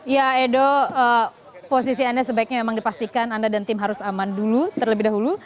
ya edo posisi anda sebaiknya memang dipastikan anda dan tim harus aman dulu terlebih dahulu